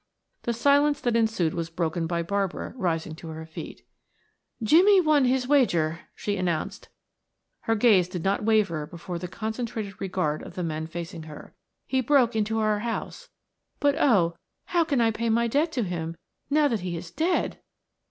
The silence that ensued was broken by Barbara rising to her feet. "Jimmie won his wager," she announced. Her gaze did not waver before the concentrated regard of the men facing her. "He broke into our house but, oh, how can I pay my debt to him now that he is dead!"